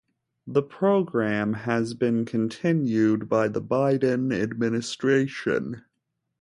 The program has been continued by the Biden administration.